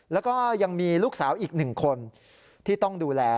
แล้วก็ยังมีลูกสาวอีกหนึ่งคนที่ต้องดูแล